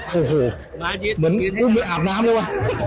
เหมือนอาบน้ำเลยวะ